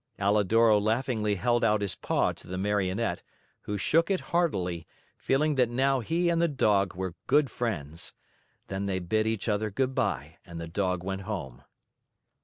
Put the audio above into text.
Alidoro laughingly held out his paw to the Marionette, who shook it heartily, feeling that now he and the Dog were good friends. Then they bid each other good by and the Dog went home.